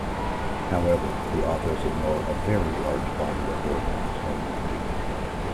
However, the authors ignore a very large body of work on tone mapping.